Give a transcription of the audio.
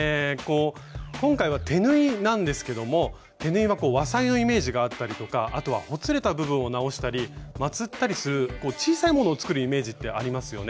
今回は手縫いなんですけども手縫いは和裁のイメージがあったりとかあとはほつれた部分を直したりまつったりする小さいものを作るイメージってありますよね。